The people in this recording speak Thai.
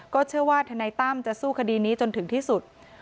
เชื่อว่าทนายตั้มจะสู้คดีนี้จนถึงที่สุด